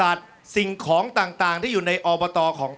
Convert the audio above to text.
ออกออกออกออกออกออกออกออกออกออกออก